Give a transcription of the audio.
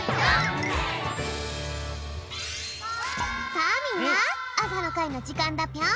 さあみんなあさのかいのじかんだぴょん。